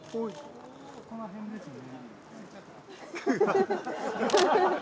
この辺ですね。